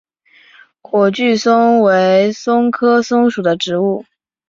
火炬松为松科松属的植物。